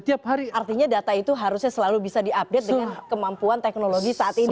artinya data itu harusnya selalu bisa diupdate dengan kemampuan teknologi saat itu